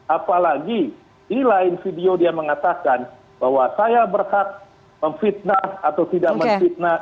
apalagi di lain video dia mengatakan bahwa saya berhak memfitnah atau tidak memfitnah